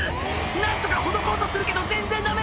何とかほどこうとするけど全然ダメ！